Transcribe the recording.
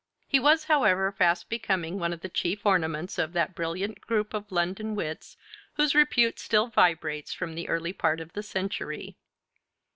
He was, however, fast becoming one of the chief ornaments of that brilliant group of London wits whose repute still vibrates from the early part of the century.